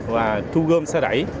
và thu gom xe đẩy